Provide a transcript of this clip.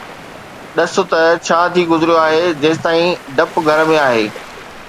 ڏس ته ڇا ٿي گذريو آهي، جيستائين ڊپ گهر ۾ آهي